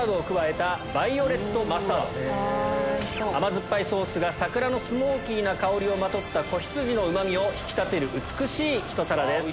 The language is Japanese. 甘酸っぱいソースが桜のスモーキーな香りをまとった仔羊のうま味を引き立てる美しいひと皿です。